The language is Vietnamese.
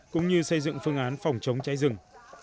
cũng như xây dựng phương án phòng chống cháy rừng